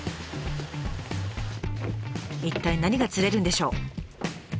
一体何が釣れるんでしょう。